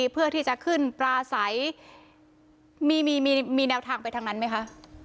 เพื่อที่จะขึ้นปลาใสมีมีแนวทางไปทางนั้นไหมคะ